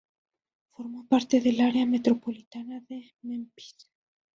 Forma parte del área metropolitana de Memphis.